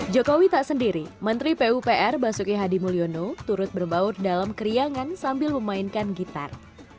jokowi tak sendiri menteri pupr basuki hadi mulyono turut berbaur dalam keriangan sambil memainkan gitar